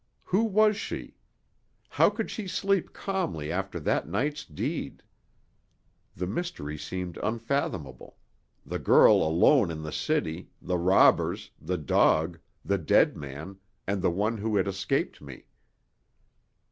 Who was she? How could she sleep calmly after that night's deed? The mystery seemed unfathomable; the girl alone in the city, the robbers, the dog, the dead man, and the one who had escaped me.